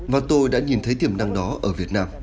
và tôi đã nhìn thấy tiềm năng đó ở việt nam